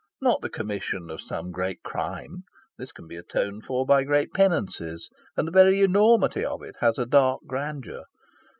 Not the commission of some great crime: this can be atoned for by great penances; and the very enormity of it has a dark grandeur.